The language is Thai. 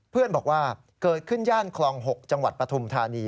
เพื่อนบอกว่าเกิดขึ้นย่านคลอง๖จังหวัดปฐุมธานี